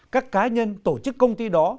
các cá nhân tổ chức công ty đó